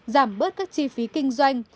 giảm bớt các chi phí kinh doanh